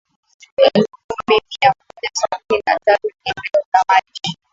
elfu kumi mia moja sabini na tatu ni eneo la maji